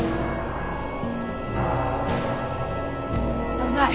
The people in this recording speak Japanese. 危ない。